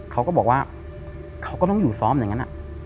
เขาก็บอกว่าเขาก็ต้องอยู่ซ้อมอย่างนั้น